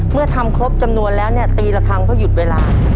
เมื่อทำครบจำนวนแล้วเนี่ยตีละครั้งเพื่อหยุดเวลา